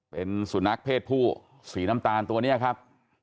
เป็นสุนัขเพศผู้สีน้ำตาลตัวนี้ครับ